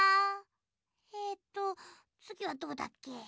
えっとつぎはどうだっけ？